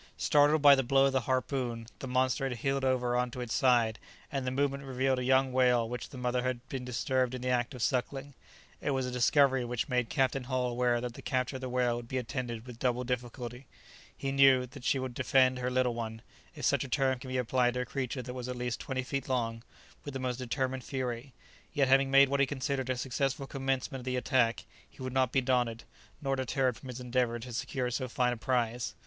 Startled by the blow of the harpoon the monster had heeled over on to its side, and the movement revealed a young whale which the mother had been disturbed in the act of suckling. It was a discovery which made Captain Hull aware that the capture of the whale would be attended with double difficulty; he knew; that she would defend "her little one" (if such a term can be applied to a creature that was at least twenty feet long) with the most determined fury; yet having made what he considered a successful commencement of the attack, he would not be daunted, nor deterred from his endeavour to secure so fine a prize.